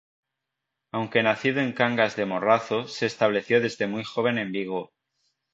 Aunque nacido en Cangas de Morrazo se estableció desde muy joven en Vigo.